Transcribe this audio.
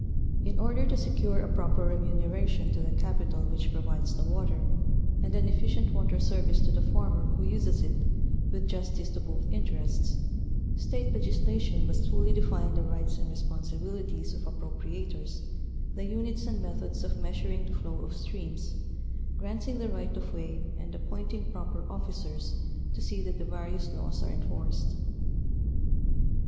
In order to secure a proper remunera tion to the capital which provides the water, and an efficient water service to the farmer who uses it with justice to both interests, State legislation must fully define the rights and responsibilities of appropriators, the units and methods of meas uring the flow of streams, granting the right of way and appointing proper officers to see that the various laws are enforced.